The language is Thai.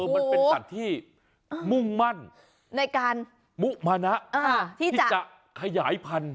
มันเป็นสัตว์ที่มุ่งมั่นในการมุมานะที่จะขยายพันธุ